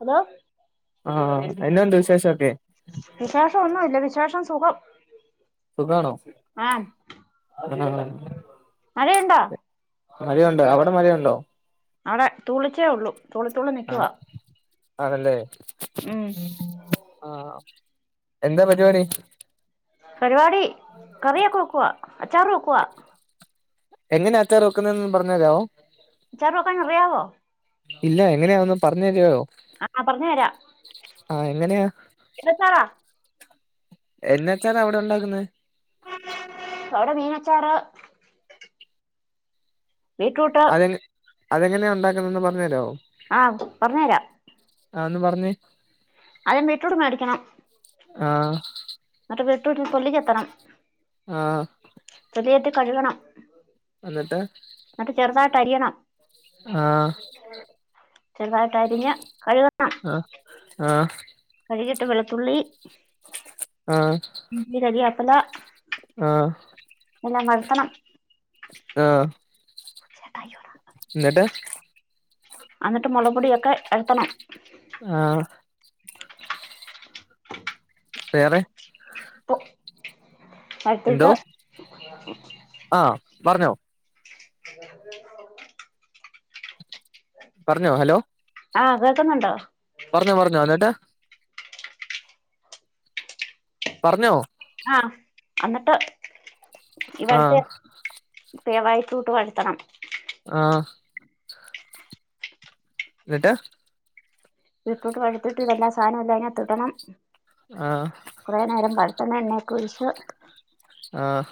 Hello! ആഹ് എന്നാണ്ട് വിശേഷൊക്കെ വിശേഷം ഒന്നും ഇല്ല വിഷ് വിശേഷം സുഖം. സുഖാണോ. ആഹ് മഴയുണ്ടോ? മഴയുണ്ട്. അവിടെ മഴയുണ്ടോ? അവിടെ തുളിച്ചേ ഉള്ളു തുളിത്തുള്ളി നിക്കുവാ. അതല്ലേ? ഉം ആ എന്താ പരിപാടി. പരിപാടി കറിയോക്കെവക്കുവാ അച്ചാറുവക്കുവാ. എങ്ങനാ അച്ചാറ് വെക്കുന്നന്ന് പറഞ്ഞ്തരാവോ. അച്ചാറ് വെക്കാൻ അറിയാവോ. ഇല്ല എങ്ങനെയാന്ന് പറഞ്ഞു തരുവോ? ആഹ് പറഞ്ഞ തരാം. ആഹ് എങ്ങനെയാ എത് അച്ചാറാ. എന്നാച്ചാറ അവിടെ ഒണ്ടാക്കുന്നത്. അച്ചാറ് ബീട്രൂട്ട് അതെ അതെങ്ങനെയാ ഒണ്ടാക്കുന്നയെന്ന് ഒന്നു പറഞ്ഞ് തരാമോ. ആ പറഞ്ഞു തരാം. അതൊന്ന് പറഞ്ഞേ. അദ്യം ബീട്രൂട്ട് മേടിക്കണം ആഹ് എന്നിട്ട് ബീട്രൂട്ട് തൊലിച്ചെത്തണം. ആ കഴുകണം. എന്നിട്ട്? തരിയണം. ആഹ് ചെറുതായിട്ടാരിഞ്ഞ് കഴുകണം. ആ കഴുകിട്ട് വെളുത്തുള്ളി, ആഹ് ഇഞ്ചി, കരിയാപ്പില ആ എല്ലാം വയട്ടണം ആഹ് എന്നിട്ട്? അന്നിട്ട് മുളക്പൊടിയൊക്കെ എടുത്തണം. ആ [inaudible] വേറെ ഇപ്പൊ എന്തോ അടുത്തിട്ട് ആഹ് പറഞ്ഞോ അ [inaudible] പറഞ്ഞോ ഹലോ ആഹ് കേൾക്കുന്നുണ്ടോ പറഞ്ഞോ പറഞ്ഞോ എന്നിട്ട് പറഞ്ഞോ ആ അന്നിട്ട് ആ [unintelligible] ബിട്രൂട്ട് വയട്ടണം ആഹ് എന്നിട്ട് [unintelligible] എല്ലാ സാധനവും എല്ലാ സാനവും അയിനാത്ത് ഇടണം. ആഹ് കുറെ നേരം [unintelligible] എണ്ണയൊക്കെ [unintelligible] ആഹ്.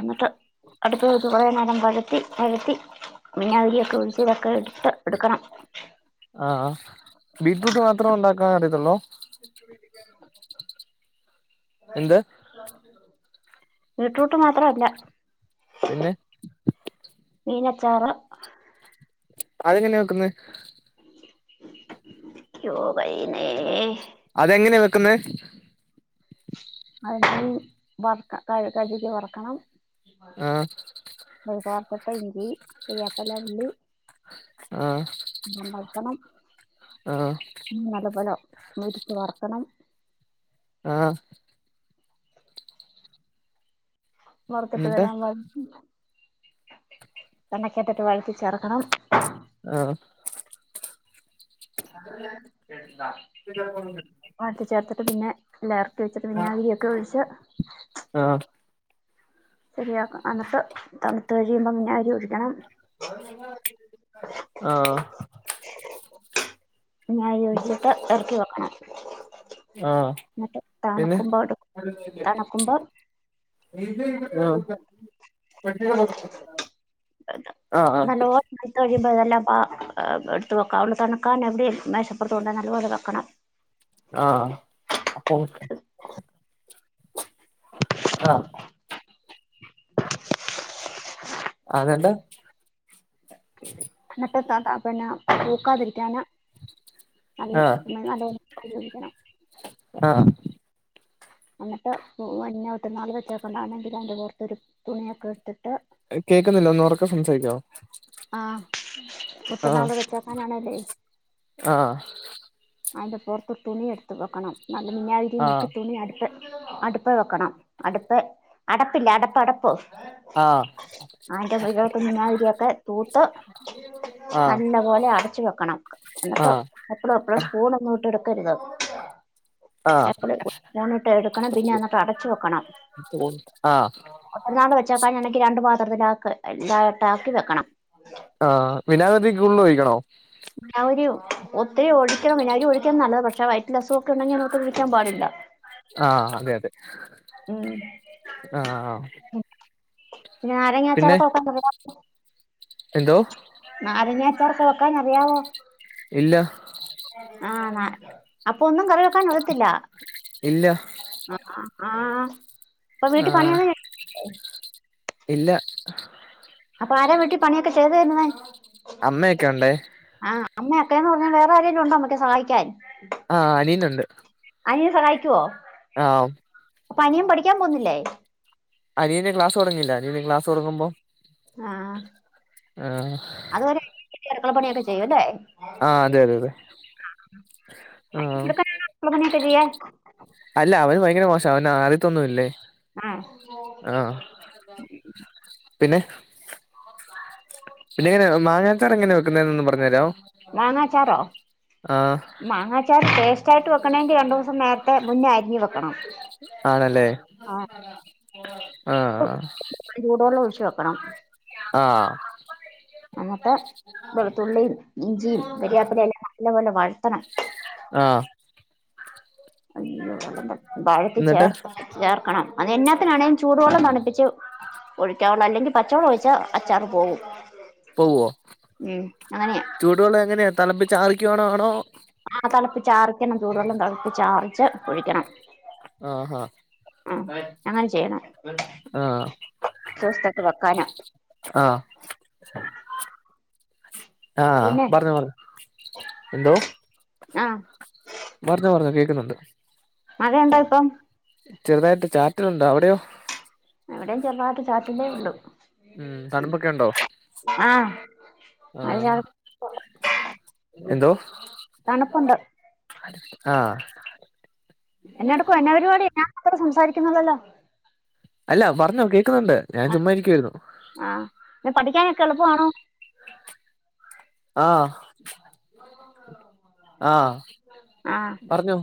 എന്നിട്ട് അടുത്ത നിക്ക് കൊറേ നേരം വഴ ത്തി അഴത്തി [unintelligible] ഒക്കെ ഒഴിച്ച ഇതൊക്കെ എടുത്ത് എടുക്കണം ആഹ് ബീറ്റ്റൂട്ട് മാത്രം ഉണ്ടാക്കാൻ അറിയത്തുള്ളോ? എന്ത്? വീറ്റ്റൂട്ട് മാത്രല്ല. പിന്നെ മീനച്ചാറ്, അതെങ്ങനെയ വെക്കുന്നെ? യോ ഭൈനെ. അതെങ്ങനെയാ വെക്കുന്നെ? അത് വറക്ക ക കഴുകി വറക്കണം. അത് ആഹ് കടുക് വറുത്തിട്ട് ഇഞ്ചി കരിയാപ്പില ഉള്ളി. ആഹ് ആഹ് [unintelligible] മുരിച്ച് വറക്കണം. ആഹ് വർത്തിട്ട് എന്നിട്ട് വരാൻ [unintelligible] വഴറ്റി ചേർക്കണം ആഹ് വഴറ്റി ചേർത്തിട്ട് പിന്നെ [unintelligible] റ്റി ഒഴിച്ചിട്ട് പിന്നെ വിനിഗിരിയൊക്കെ ഒഴിച്ച് ആഹ് ശരിയാക്കാ അന്നിട്ട് തണ്ത്ത് കഴിയുമ്പം [unintelligible] ഒഴിക്കണം ആഹ് വിനാഗിരി ഒഴിച്ചിട്ട് എറക്കി വെക്കണം ആഹ് എന്നിട്ട് പിന്നെ തണുക്കുമ്പോൾ എടുക്കും തണുക്കുമ്പോൾ ആഹ് ആഹ് ആഹ് ഇപ്പതല്ലാം പാ ഏഹ് ഏഹ് എട്ത്ത് വെക്കാം. ഒന്ന് തണക്കാൻ എവിടേം മേശപ്പൊറത്ത് കൊണ്ടേന്ന് നല്ലോല വെക്കണം ആഹ് അപ്പോന്ക്ക് ആഹ് അതെന്നാ [unintelligible] എന്നിട്ട് [unintelligible] പിന്നെ പൂക്കാതിരിക്കാനാ [unintelligible] ആഹ് പിന്നെ നല്ലോം [unintelligible] ഒഴിക്കണം ആഹ് അന്നിട്ട് [unintelligible] മറ്റനാള് [unintelligible] ആണെങ്കില് അയിന്റെ പൊറ്ത്തൊരു തുണിയൊക്കെ ഇട്ട്ട്ട് ഏയ് കേക്കുന്നില്ല ഒന്ന് ഒറക്കെ സംസാരിക്ക്യോ ആഹ് ആഹ് ഒത്തിരിനാള് വെച്ചേക്കാനാണേല്ലേ ആഹ് അയിന്റെ പൊറത്ത് തുണി എട്ത്ത് വെക്കണം നല്ല മിനാഗിരി മുക്കി ആഹ് തുണി അട്ത്ത് അടു പ്പ് വെക്കണം അട്പ്പ് അടപ്പില്ലെ അടപ്പ് അട പ്പ് ആഹ് ആയിന്റെ വെര്യോത്ത്ന്ന് [unintelligible] തൂത്ത് ആഹ് നല്ല പോലെ അടച്ചു വെക്കണം എന്നിട്ട് എപ്പളും എ പ്പഴും സ്പൂണൊന്നും ഇട്ട് എട്ക്കരുത് ആഹ് എപ്പോഴും സ്പൂണ് എടുക്കണം പിന്നെ എന്നിട്ട് അടച്ചു വെക്കണം ആഹ് ആഹ് ഒറ്റനാള് വെച്ചക്കാ എനിക്ക് രണ്ട പാത്രത്തില ഇതായിട്ട ആക്കി വെക്കണം ആ വിനാഗതിക്കുള്ളിൽ ഒഴിക്കണോ ഞ ഒരു ഒത്തിരി ഓടി വിനാഗിരി ഒഴിക്കൻ നല്ല പക്ഷേ വയറ്റിന് അസുകം ഒക്കെ ഉണ്ടെങ്കിൽ അതിനക്കത്ത് ഒഴിക്കൻ പാടില്ല ആഹ് അതെ അതെ ഉം ആഹ് ആഹ് നാരങ്ങ അച്ചാർ ഒക്കെ നോക്കാ [unintelligible] എന്തോ നാരങ്ങാ അച്ചാറൊക്കെ വെക്കാൻ അറിയാവോ? ഇല്ല ആഹ് അപ്പൊ ഒന്നും കറ കൊടുത്തില്ല ഇല്ല ആ ഇപ്പൊ വീട്ട ആഹ് പണിയെ ഇല്ല അപ്പൊ ആര വീട്ടി പണിയൊക്കെ ചെയ്ത് തരുന്ന അമ്മയൊക്കെ ഉണ്ട അമ്മയൊക്കേന്ന് പറഞ്ഞാ വേറെ ആെങ്കും ഉണ്ട നമ്മക്ക് സഹായിാൻ ആഹ് അനിന്നുണ്ട് അനിയൻ സഹായിക്കുവോ അപ്പൊ അനിയൻ പഠിക്കാൻ പോന്നില്ലേ അനിയന്റെ ക്ലാസ് തുടങ്ങില്ല അനിയന് ക്ലസ് തുടങ്ങുമ്പോ ആഹ ആഹ് അതുവരെ അടുക്കള പണിയൊക്കെ ചെയ്യൂല്ലേ? ആഹ് അതെ അതെ അതെ ആഹ് ഇക്കയ [inaudible] അല്ല അവന് ഭയങ്കര മോശം അവന് ആദ്യത്തൊന്നും ഇല്ലേ, ആ ആഹ പിന്നെ? ഇ എങ്ങനെന്നതൊന്ന് പറഞ്ഞ തരോ [inaudible] മാങ്ങാച്ചാറോ മാങ്ങാച്ചാർ ടേസ്റ്റ് ആയിട്ട് വെക്കണെങ്കി രണ്ടു ദിവസം നേരത്തെ മുന്നേ അരിഞ്ഞ വെക്കണം ആണല്ലേ ആഹ ആഹ് ചൂടൊള്ളം ഒഴിച്ചു വെക്കണം. ആഹ എന്നിട്ട് വെളുതുള്ളിയും ഇഞ്ചിയും വെരിയാപ്പല എല്ലാം നല്ലപോലെ വഴറ്റണം. ആഹ [unintelligible] അ വാഴത്തി എന്നിട്ട് ചേർത്ത് ചേർക്കണം അത് എന്നാത്തിനാണേങ്കിലും ചൂടുവെള്ളം തണുപ്പിച്ച് ഒഴിക്കാവള്ള അല്ലെങ്കിൽ പച്ചവെളം ഒഴിച്ചാ അച്ചാറ് പോകും. പോവോ ഉം അങ്ങനെയാ ചൂടു വെള്ളം എങ്ങനെയാ തലപ്പിച്ച് ആറക്ക്വാണോ ആണോ ആ തിളപ്പി ചാറിക്കണം ചൂടുവെള്ളം തിളപ്പി ചാറിച്ച് കുഴിക്കണം ആഹ ആഹ ആ അങ്ങനെ ചെയ്യണം ആഹ് ചൂത്തൊക്കെ വെക്കാന [inaudible] [unintelligible] ആഹ പിന്നെ പറരഞ്ഞ പറ എന്തോ? ആഹ പറഞ്ഞോ പറഞ്ഞോ കേക്കുന്നുണ്ട് മഴയണ്ടോ ഇപ്പം ചെറുതായിട്ട് ചാറ്റലുണ്ടോ അവിടെയോ എവിടെയും ചെറവാത്ത ചാത്തിിന്റെേ ഉള്ളു ഉം തണുപ്പൊക്കെ ഉണ്ടോ ആഹ അ ആഹ് എന്തോ തണുപ്പുണ്ട് ആഹ് എന്നടുക്കുക എന്ന പരിപാടി ഞാൻ മാത്രം സംസാരിക്കുന്നതല്ലോ അല്ല പറഞ്ഞോ കേൾക്കുന്നുണ്ട് ഞാൻ ചുമ്മാ ഇരിക്കുവായിരുന്നു ആഹ് പിന്നെ പഠിക്കാനൊക്കെ എളുപ്പമാണോ [unintelligible] ആ ആ ആ പറഞ്ഞോ അപറഞ്ഞോ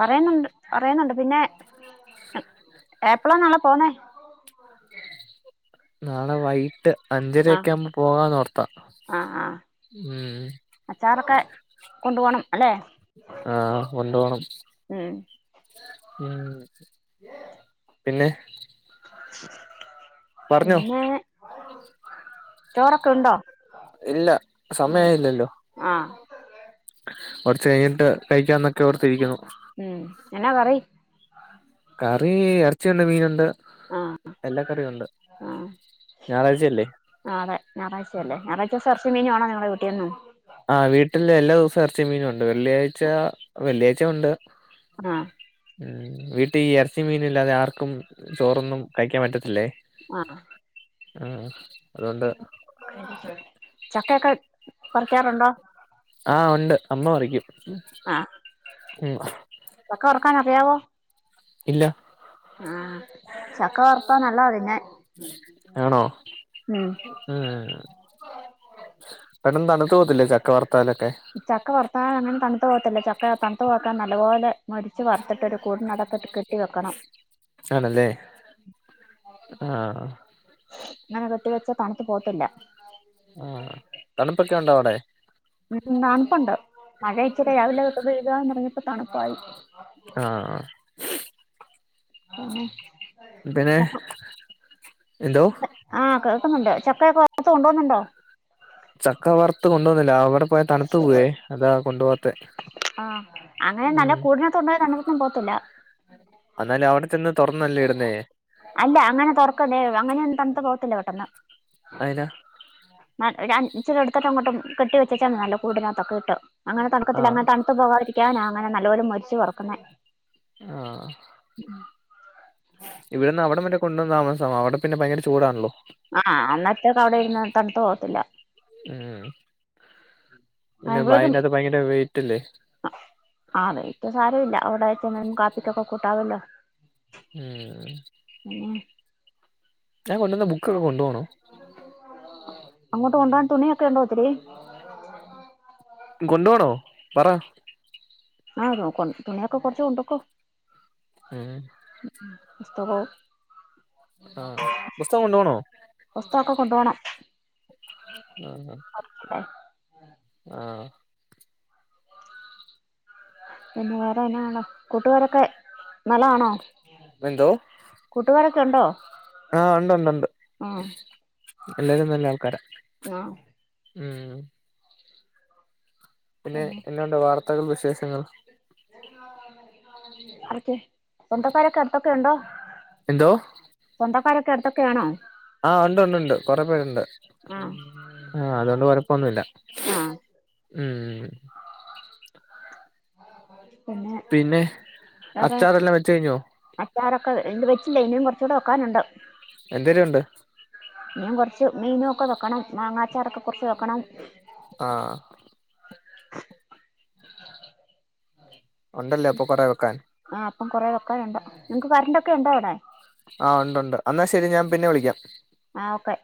പറയുന്നുണ്ട് പറയുന്നുണ്ട് പിന്നെ എപ്പളാ നാളെ പോന്നേ നാളെ വൈയിട്ട് ആഹ് അഞ്ചരയക്കെ ആവുമ്പോ പോകാന്നോർത്ത ആഹ് ആഹ് ഉം അച്ചാറൊക്കെ കൊണ്ടു പോണം അല്ലെ ആ കൊണ്ടു പോണം ഉം ഉം പിന്നെ പിന്നെ മോളെ ചോറൊക്കെ ഉണ്ടോ കൊണ്ട ഇല്ല സമയം ഉം ആയില്ലല്ലോ ആ ആഹ് കുറച്ച് കഴിഞ്ഞിട്ട് കഴിക്കാന്നൊക്കെ ഓർത്തിരിക്കുന്നു ഉം എന്നാ കറി കറി ഇറച്ചിയുണ്ട് മീനുണ്ട് എല്ലാ കറിയും ഉണ്ട് ഞായറാഴ്ചയല്ലേ ഞായറാഴ് ആ അതെ ഞായറാഴ്ചയല്ലേ ഞായറാഴ്ച്ച ദിവസം ഇറച്ചിയും മീന ആണോ നിങ്ങളടെ വീട്ടിന്നും ആ വീട്ടില് എല്ലാ ദിവസവും ഇറച്ചിയും മീനുംണ് വെള്ളിയാഴ്ച വെള്ളിയാഴ്ച ഉണ്ട് ആ ഉം ഇറച്ചിയു മീനും ഇല്ലാതെ ആർക്കും ചോറൊന്നും കഴിക്കാൻ പറ്റത്തില്ലേ ആഹ് ആ അ ആ അതുകൊണ്ട് ചക്കയൊക്കെ പറിക്കാറുണ്ടോ ആ ഉണ്ട് അമ്മ ഉറങ്ങി ആ നിനക്ക് വറുക്കാൻ അറിയാവോ ഇല്ല ആ ചക്ക വർത്താൽ നല്ല തിന്നാൻ ആണോ ഉം ഉം പെട്ടെന്ന് തണുത്ത് പോകത്തില്ലേ ചക്ക വർ ചക്ക വറത്താൽ അങ്ങനെ തണുത്തുപോകത്തില്ല ചക്ക തണുത്തു പോക്കാൻ നല്ലപോലെ മൊരിച്ച് വറുത്തിട്ട് ഒരു കൂടിൻ്റെ അകത്തിട്ട് ആണല്ലേ ആ അങ്ങനെ കെട്ടി വെച്ചാൽ തണുത്ത പോകത്തില്ല ആഹ് തണുപ്പൊക്കെ ഉണ്ടോ അവിടെ ഉം തണുപ്പുണ്ട് മഴ ഇച്ചിരി രാവിലെ തൊട്ട് പെഴ്യ്യാൻതുടങ്ങിയപ്പോ തണുപ്പായി ആ പിന്നെ എന്തോ [inaudible] ആ പ്പുണ്ട് ചക്കയൊക്കെ വറുത്ത് കൊണ്ട് പോകുന്നുണ്ടോ ചക്ക വറത്ത് കൊണ്ടുപോന്നില്ല അവ വിടെ പോയ തണുത്തു പോവേ അതാ കൊണ്ടു പോവാത്തെ ഉം ണുത്തും പോവത്തില്ല എന്നാല് അവി അല്ല അങ്ങനെ തുറക്കല്ലേ അങ്ങനെയന്നും തണത്ത് പോകത്തില്ല പെട്ടെന്ന് അയിനാ ആ ഞാൻ ഇച്ചിരിയെടുത്തിട്ട് അങ്ങോട്ടും കെട്ടി വെച്ചച്ചാ നല്ല കൂടിനകത്തൊക്കെയിട്ട് അങ്ങനെ തണുക്കത്തില്ല ആഹ് അങ്ങനെ തണുത്ത്പോകാതിരിക്കാനാ അങ്ങനെ നല്ല പോലെ മൊരിച്ച് വറക്കുന്നേ ആ ഇവിടെന്ന് അവിടം വരെ കൊണ്ടുവന്ന് താമസ അവിടെ പിന്നെ ഭയങ്കര ചൂടാണല്ലോ ആ അന്നേരത്തേക്ക് അവിടെ ഇരുന്ന് തണുത്ത് പോകത്തില്ല ഉം പിന്നെ അവരും അതിനകത്ത് ഭയങ്കര വെയിറ്റ് അല്ലേ അ ആ വെയിറ്റ് സാരം ഇല്ല അവിടെ ഒരു നേരം കാപ്പി ഒകെ കുട്ടാവല്ലോ ഉം ഉം ഞാൻ കെണ്ടുവന്ന ബുക്ക് ഒകെ കൊണ്ടുപോ അങ്ങോട്ട് കൊണ്ടകാൻ തുണി യോക്കെ ഇണ്ടോ ഒത്തിരി കൊണ്ട് പോണോ പറ ആ നോക്ക തുണിയൊക്കെ കൊണ്ടൊക്കോ കൊണ്ടക്കോ ഉം പുസ്തകം ആഹ് പുസ്തകം കൊണ്ടുപോണോ പുസ്തൊക്കെ കൊണ്ടു പോണം ആഹ ആ ആഹ പിന്നെ വേറെ എന്നാ ഉള്ളെ കൂട്ടുകാരൊക്കെ നല്ലതാണോ എന്തോ കൂട്ടുകാരൊക്കെ ഉണ്ടോ ആഹ് ഉണ്ട് ഉണ്ട് ഉണ്ട് ആ എല്ലാരും നല്ല ആൾക്കാര ആഹ് ഉം പിന്നെ എന്നാണ്ട് വാർത്തകൾ വിശേഷങ്ങൾ ആർക്ക് സ്വന്തക്കാരൊക്കെ അടുത്തൊക്കെ ഉണ്ടോ? എന്തോ സ്വന്തക്കാരൊക്കെ അടുത്തൊക്കൊ ആണോ? ആഹ് ഉണ്ട് ഉണ്ട്ണ്ട് കൊറെ പേരുണ്ട് ആഹ് ആഹ് അതുകൊണ്ട് കൊഴപ്പൊന്നുമില്ല ആഹ് ഉം പിന്നെ വേറെ അച്ചാറെല്ലാം വെച്ച് കഴിഞ്ഞോ അച്ചാർ ഒക്കെ എന്ത് വെ ഇല്ല ഇനിയും കുറച്ചുകൂടെ വോക്കാനുണ്ട് എന്തരൂണ്ട് ഇഞ് കുറച്ച് മീനൊക്കെ വെക്കണം മാങ്ങാച്ചാറോക്കെ കുറച്ച് വെക്കണം ആഹ് ഉണ്ടല്ലേ അപ്പൊ കൊറ വെക്കാൻ ആഹ് അപ്പം കുറെ വെക്കാനുണ്ട് നിങ്ങക്ക് കറണ്ടൊക്കെ ഉണ്ടോ അവിടെ ആഹ് ഉണ്ടൊണ്ട് അന്നാ ശരി ഞാൻ പിന്നെ വിളിക്കാം- ആഹ് ഓക്കെ-